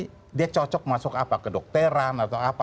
ini anak ini dia cocok masuk apa ke dokteran atau apa